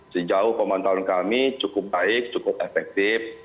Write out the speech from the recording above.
sejauh pemantauan kami cukup baik cukup efektif